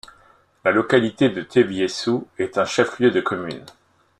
La localité de Tiéviéssou est un chef-lieu de commune.